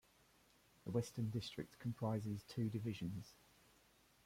The Western District comprises two divisions.